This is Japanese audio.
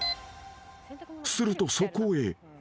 ［するとそこへ］